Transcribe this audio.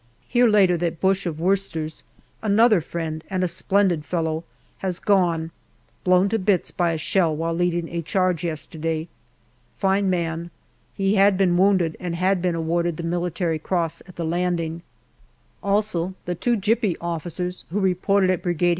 Hear later that Bush, of Worcesters, another friend and a splendid fellow, has gone, blown to bits by a shell while leading a charge yesterday. Fine man ; he had been wounded, and had been awarded the Military Cross, at the landing. Also the two Gypy officers, who reported at Brigade H.